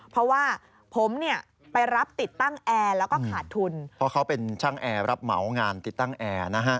เพราะว่าผมเนี่ยไปรับติดตั้งแอร์แล้วก็ขาดทุนเพราะเขาเป็นช่างแอร์รับเหมางานติดตั้งแอร์นะฮะ